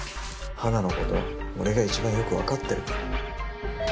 花の事は俺が一番よくわかってるから。